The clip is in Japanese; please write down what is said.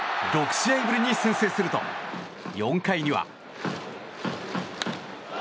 ６試合ぶりに先制すると４回には。